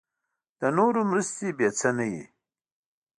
د نورو مرستې بې څه نه وي.